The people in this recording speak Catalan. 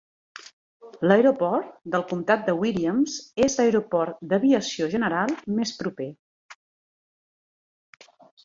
L'aeroport del comptat de Williams és l'aeroport d'aviació general més proper.